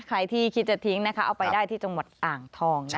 ใครที่คิดจะทิ้งนะคะเอาไปได้ที่จังหวัดอ่างทองนะคะ